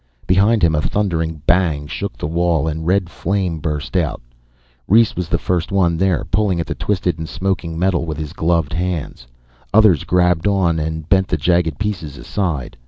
Behind him a thundering bang shook the wall and red flame burst out. Rhes was the first one there, pulling at the twisted and smoking metal with his gloved hands. Others grabbed on and bent the jagged pieces aside.